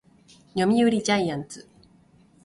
読売ジャイアンツ